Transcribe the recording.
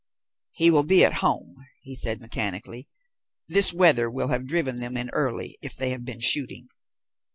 "He will be at home," he said mechanically. "This weather will have driven them in early if they have been shooting."